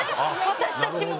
私たちも？